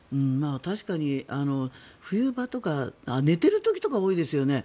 確かに、冬場とか寝てる時とか多いですよね。